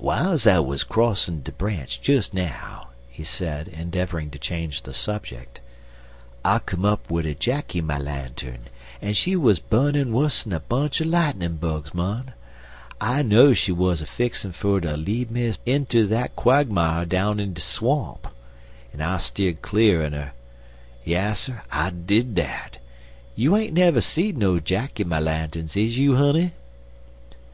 "W'iles I wuz crossin' de branch des now," he said, endeavoring to change the subject, "I come up wid a Jacky my lantern, en she wuz bu'nin' wuss'n a bunch er lightnin' bugs, mon. I know'd she wuz a fixin' fer ter lead me inter dat quogmire down in de swamp, en I steer'd cle'r an' er. Yasser. I did dat. You ain't never seed no Jacky my lanterns, is you, honey?"